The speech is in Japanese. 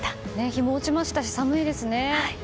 日も落ちましたし、寒いですね。